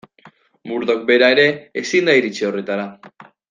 Murdoch bera ere ezin da iritsi horretara.